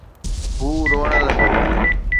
هو روئڻ لڳو.